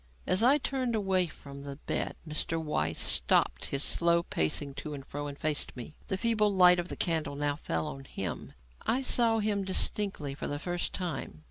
As I turned away from the bed Mr. Weiss stopped his slow pacing to and fro and faced me. The feeble light of the candle now fell on him, and I saw him distinctly for the first time.